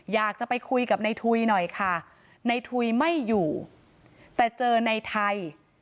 อยากจะไปคุยกับในทุยหน่อยค่ะในทุยไม่อยู่แต่เจอในไทย